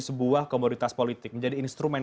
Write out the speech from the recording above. sebuah komoditas politik menjadi instrumen